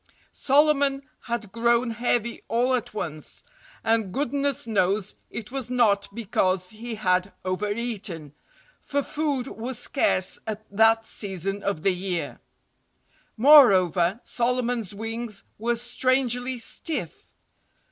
Solomon had grown heavy all at once—and goodness knows it was not because he had overeaten, for food was scarce at that season of the year. Moreover, Solomon's wings were strangely stiff.